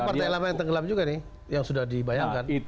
ada partai lama yang tenggelam juga nih yang sudah dibayangkan